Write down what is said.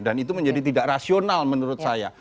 itu menjadi tidak rasional menurut saya